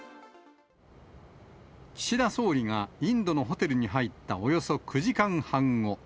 岸田総理が、インドのホテルに入ったおよそ９時間半後。